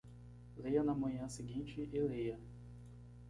Leia na manhã seguinte e leia